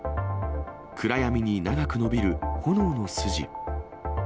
暗闇に長く伸びる炎の筋。